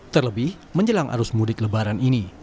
terlebih menjelang arus mudik lebaran ini